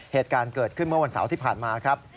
เหตุการณ์เกิดขึ้นเมื่อวันเสาร์ที่ผ่านมาครับ